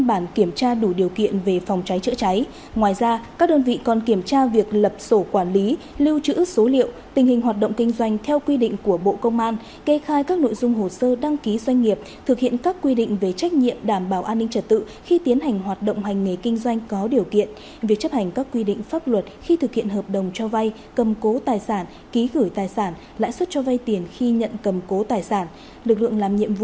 cảnh sát quản kiểm tra đủ điều kiện về phòng cháy chữa cháy ngoài ra các đơn vị còn kiểm tra việc lập sổ quản lý lưu trữ số liệu tình hình hoạt động kinh doanh theo quy định của bộ công an kê khai các nội dung hồ sơ đăng ký doanh nghiệp thực hiện các quy định về trách nhiệm đảm bảo an ninh trật tự khi tiến hành hoạt động hành nghề kinh doanh có điều kiện việc chấp hành các quy định pháp luật khi thực hiện hợp đồng cho vay cầm cố tài sản ký gửi tài sản lãi suất cho vay tiền khi nhận cầm cố tài sản lực lượng